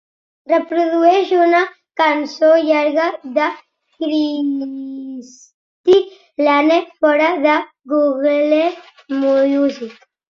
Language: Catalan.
Reprodueix una cançó llarga de Cristy Lane fora de Google Music.